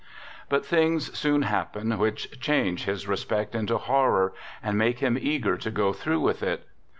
But things soon happen which change his respect into horror, and make him eager to go I through with it.